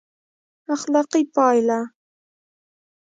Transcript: اخلاقي پایله: